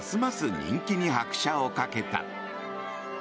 人気に拍車をかけた。